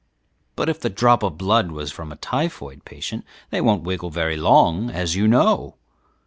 but if the drop of blood was from a typhoid patient, they won't wiggle very long, as you know.